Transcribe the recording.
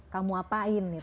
kamu apain itu